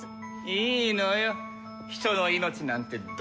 いいのよ人の命なんてどうだって。